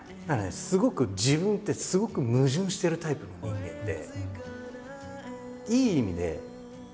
すごく自分ってすごく矛盾してるタイプの人間で。